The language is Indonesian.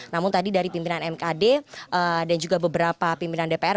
namun tadi dari pimpinan mkd dan juga beberapa pimpinan dpr